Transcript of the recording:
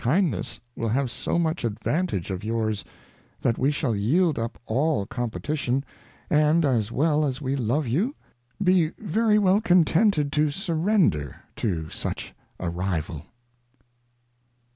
Kindness will have so much advantage of ours, that we shall yield up all Competition, and as well as we love you, be very well contented to Surrender to such a Rival.